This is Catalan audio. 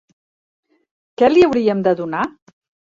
Què li hauríem de donar?